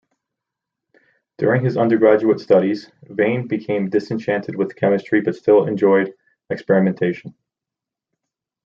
During his undergraduate studies, Vane became disenchanted with chemistry but still enjoyed experimentation.